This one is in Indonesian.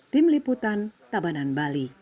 tim liputan tabanan bali